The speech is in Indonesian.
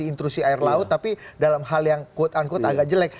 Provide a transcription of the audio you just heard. intrusi air laut tapi dalam hal yang quote unquote agak jelek